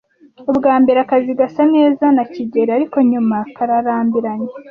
Ubwa mbere akazi gasa neza na kigeli, ariko nyuma kararambiranye.